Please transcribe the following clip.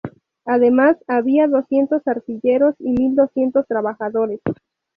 Había además doscientos artilleros y mil doscientos trabajadores.